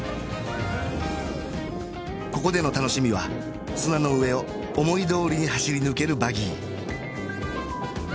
ここでの楽しみは砂の上を思い通りに走り抜けるバギー